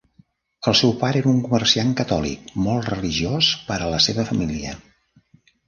El seu pare era un comerciant catòlic, molt religiós per a la seva família.